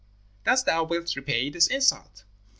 Thus thou wilt repay this insult.'